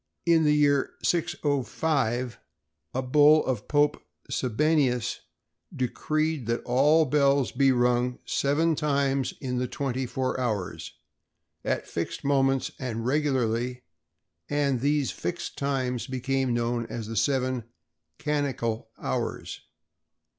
In the year 605, a bull of Pope Sabinianus decreed that all bells be rung seven times in the twenty four hours, at fixed moments and regularly, and these fixed times became known as the seven canonical hours.